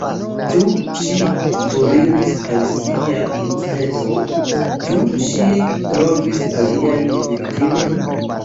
Ĉu ŝi foriris al sia stepo, ĉu ŝi trovis alian viktimon?